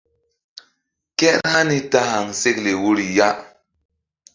Kehr hani ta kéhaŋsekle woyri ya.